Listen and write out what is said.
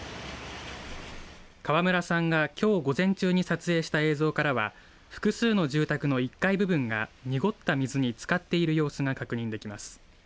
川村さんがきょう午前中に撮影した映像からは複数の住宅の１階部分が濁った水につかっている様子が確認できます。